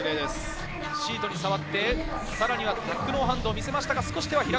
シートに触って、タックノーハンドを見せました。